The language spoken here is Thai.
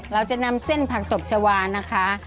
เราจะนำเส้นผักตบชาวานะคะ